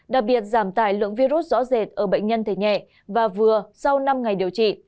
đặc biệt giảm tài lượng virus rõ rệt ở bệnh nhân thể nhẹ và vừa sau năm ngày điều trị